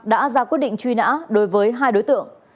đã ra quyết định truy nã đối với hai đối tượng